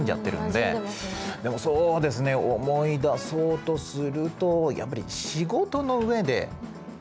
でもそうですね思い出そうとするとやっぱり仕事の上で面倒くさかったかな。